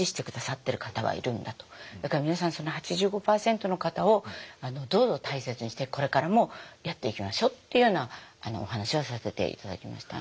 だから皆さんその８５％の方をどうぞ大切にしてこれからもやっていきましょうっていうようなお話はさせて頂きました。